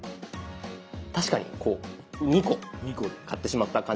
確かにこう２個買ってしまった感じに。